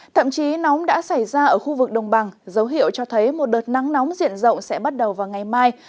thậm chí nóng đã xảy ra ở khu vực đồng bằng dấu hiệu cho thấy một đợt nắng nóng diện rộng sẽ bắt đầu vào ngày mai